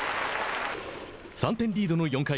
３点リードの４回。